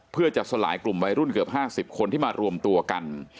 เพื่อจะสลายกลุ่มวัยรุ่นเกือบ๕๐คนที่มารวมตัวกัน